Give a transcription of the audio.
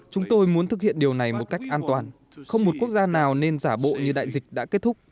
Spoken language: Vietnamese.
chúng tôi muốn thực hiện điều này một cách an toàn không một quốc gia nào nên giả bộ như đại dịch đã kết thúc